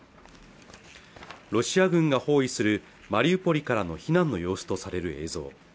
ロシア軍が包囲するマリウポリからの避難の様子とされる映像